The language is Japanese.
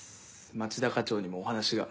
町田課長にもお話が。